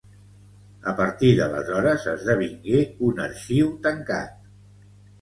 A partir d'aleshores esdevingué un arxiu tancat.